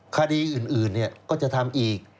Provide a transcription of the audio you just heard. คดีอื่นก็จะทำอีก